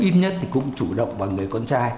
ít nhất thì cũng chủ động bằng người con trai